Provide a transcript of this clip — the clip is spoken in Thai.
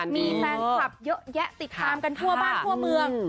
มีแฟนคลับเยอะแยะติดตามกันทั่วบ้านทั่วเมือง